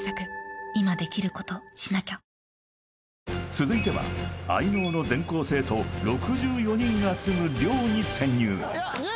続いては愛農の全校生徒６４人が住む寮に潜入